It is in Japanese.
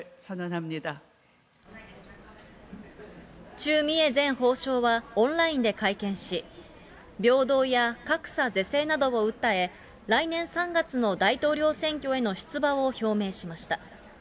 チュ・ミエ前法相はオンラインで会見し、平等や格差是正などを訴え、来年３月の大統領選挙への出馬を表明しました。